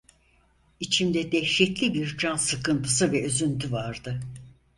İçimde dehşetli bir can sıkıntısı ve üzüntü vardı.